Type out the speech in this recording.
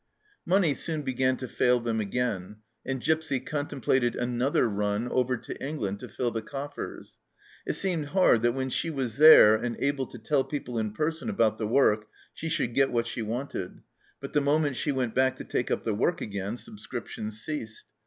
Money soon began to fail them again, and Gipsy contemplated another run over to England to fill the coffers. It seemed hard that when she was there and able to tell people in person about the work, she should get what she wanted, but the moment she went back to take up the work again subscriptions ceased.